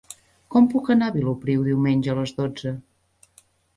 Com puc anar a Vilopriu diumenge a les dotze?